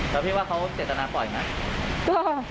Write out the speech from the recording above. แล้วพี่ว่าเขาเจตนาปล่อยไหม